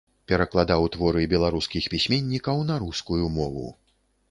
Перакладаў творы беларускіх пісьменнікаў на рускую мову.